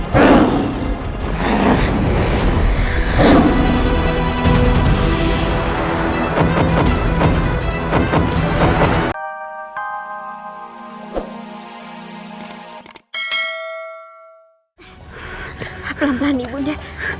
pelan pelan ibu nda